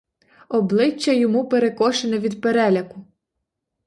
Обличчя йому перекошене від переляку.